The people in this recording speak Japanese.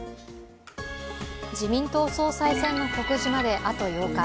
自民党総裁選の告示まであと８日。